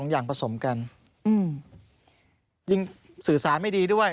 ยิ่งสื่อสารไม่ดีด้วย